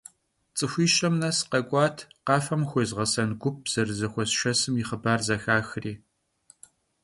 Ts'ıxuişem nes khek'uat, khafem xuezğesen gup zerızexuesşşesım yi xhıbar zexaxri.